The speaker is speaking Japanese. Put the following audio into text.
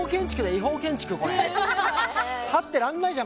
違法建築これ立ってらんないじゃん